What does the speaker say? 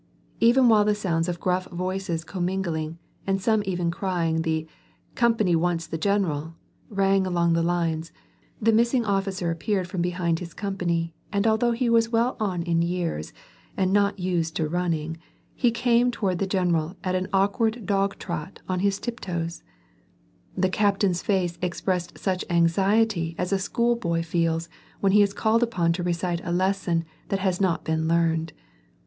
Even while the sounds of gruff voices commingling, and some even crying the "company wants the general " rang along the lines, the missing officer appeared from behind his company and although he was well on in years and not used to running, he came toward the general at an awkward dog trot on his tip toes The captain's face expressed such anxiety as a schoolboy feels when he is called upon to recite a lesson that has not been learned.